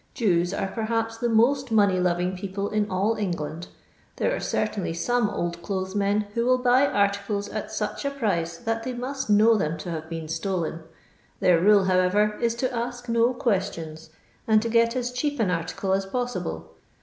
Jews are perhaps the most money loving people in all England. There are certainly some old clothes men who will buy articles at such a price that they must know them to hove been stolen. Their rule, however, is to ask no questions, and to get as cheap an article as possible.